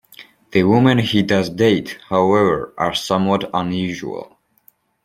The women he does date, however, are somewhat unusual.